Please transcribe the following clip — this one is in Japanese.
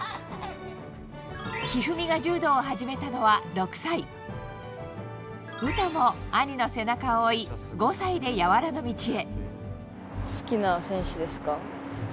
一二三が柔道を始めたのは６歳詩も兄の背中を追い５歳で柔の道へ。